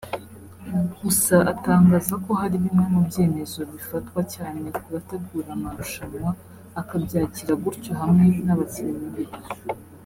gusa atangaza ko hari bimwe mu byemezo bifatwa cyane ku bategura marushanwa akabyakira gutyo hamwe n’abakinnyi be